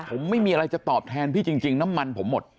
ผมไม่มีอะไรจะตอบแทนพี่จริงน้ำมันผมหมด